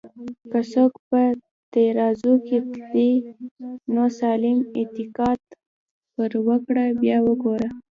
که څوک په ترازو کی تلې، نو سالم انتقاد پر وکړه بیا وګوره